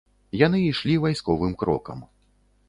Яны ішлі вайсковым крокам.